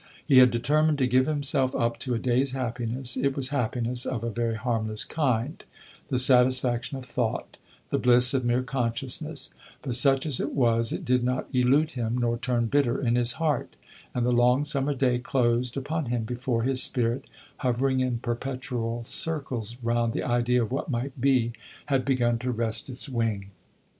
He had determined to give himself up to a day's happiness; it was happiness of a very harmless kind the satisfaction of thought, the bliss of mere consciousness; but such as it was it did not elude him nor turn bitter in his heart, and the long summer day closed upon him before his spirit, hovering in perpetual circles round the idea of what might be, had begun to rest its wing.